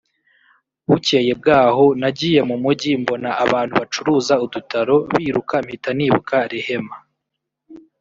“Bukeye bwaho nagiye mu mujyi mbona abantu bacuruza udutaro biruka mpita nibuka Rehema